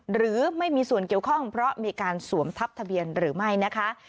หรือไม่มีส่วนเกี่ยวข้องเพราะมีการสวมทับทะเบียนหรือไม่นะคะ